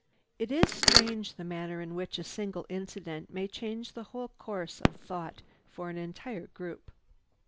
It is strange the manner in which a single incident may change the whole course of thought for an entire group.